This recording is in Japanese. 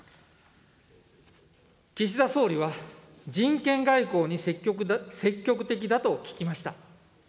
岸田総理は、人権外交に積極的だと聞きました。